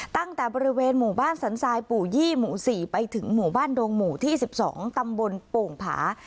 ตั้งแต่บริเวณหมู่บ้านสันทรายปู่ยี่หมู่๔ไปถึงหมู่บ้านดงหมู่ที่๑๒ตำบลโป่งผา